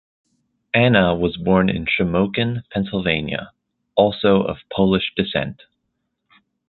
Anna was born in Shamokin, Pennsylvania, also of Polish descent.